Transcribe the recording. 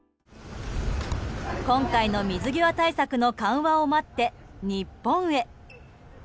今回の水際対策の緩和を待って日本へ。